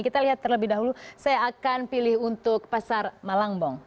kita lihat terlebih dahulu saya akan pilih untuk pasar malangbong